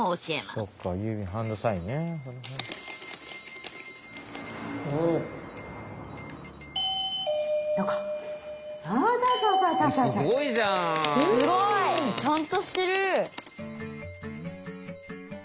すごい！ちゃんとしてる。